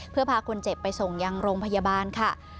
เพื่อพาคนเจ็บไปส่งยังโรงพยาบาลค่ะ